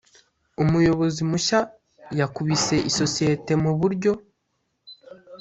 umuyobozi mushya yakubise isosiyete mu buryo.